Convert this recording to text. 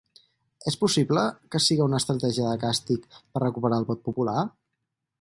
És possible que siga una estratègia de càstig per recuperar el vot popular?